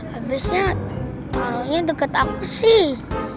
habisnya taruhnya deket aku sih